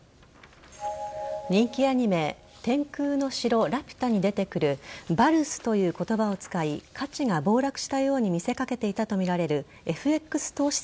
人気アニメ「天空の城ラピュタ」に出てくるバルスという言葉を使い価値が暴落したように見せかけていたとみられるＦＸ投資